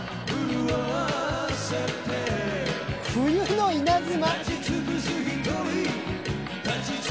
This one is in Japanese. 『冬の稲妻』？